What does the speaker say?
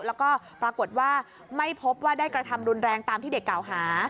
แล้วก็ปรากฏว่าไม่พบว่าได้กระทำรุนแรงตามที่เด็กกล่าวหา